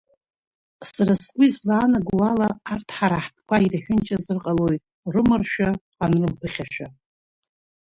Сара сгәы излаанаго ала, арҭ ҳара ҳтәқәа ирҳәынҷазар ҟалоит, рымаршәа анрымԥыхьашәа.